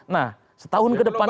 nah setahun ke depan